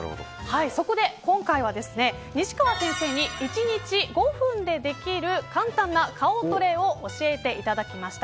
そこで今回は、西川先生に１日５分でできる簡単な顔トレを教えていただきました。